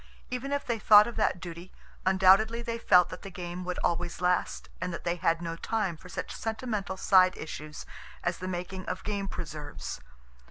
Even if they thought of that duty, undoubtedly they felt that the game would always last, and that they had no time for such sentimental side issues as the making of game preserves.